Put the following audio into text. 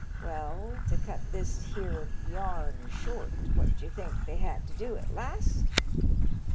Well, to cut this here yam short, what do you think they had to do at last